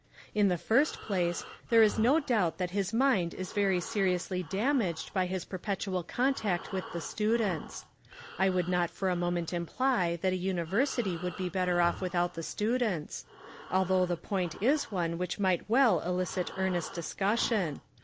' In the first place there Is no doubt that his mind is very seriously damaged by his per petual contact with the students. I would not for a moment imply that a university would be better off without the students; although the point is one which might weH elicit earnest dis cussion.